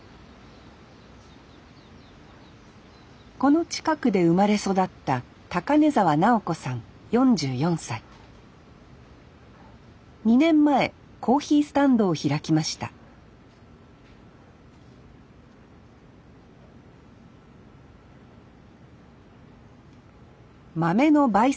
この近くで生まれ育った２年前コーヒースタンドを開きました豆のばい